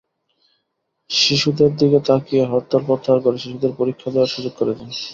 শিশুদের দিকে তাকিয়ে হরতাল প্রত্যাহার করে শিশুদের পরীক্ষা দেওয়ার সুযোগ করে দেন।